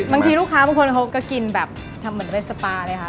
บางทีลูกค้าบางคนเขาก็กินแบบทำเหมือนเป็นสปาเลยค่ะ